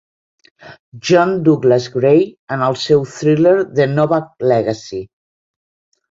John Douglas-Gray en el seu thriller "The Novak Legacy".